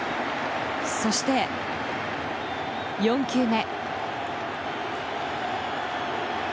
そして４球目。